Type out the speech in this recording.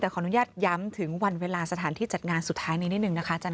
แต่ขออนุญาตย้ำถึงวันเวลาสถานที่จัดงานสุดท้ายนี้นิดนึงนะคะอาจาร